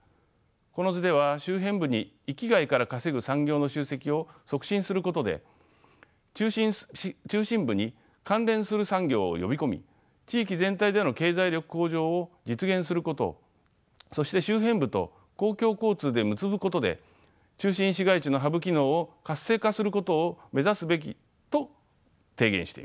この図では周辺部に域外から稼ぐ産業の集積を促進することで中心部に関連する産業を呼び込み地域全体での経済力向上を実現することそして周辺部と公共交通で結ぶことで中心市街地のハブ機能を活性化することを目指すべきと提言しています。